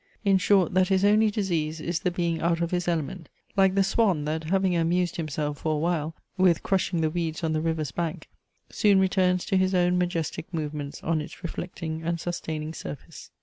In short, that his only disease is the being out of his element; like the swan, that, having amused himself, for a while, with crushing the weeds on the river's bank, soon returns to his own majestic movements on its reflecting and sustaining surface.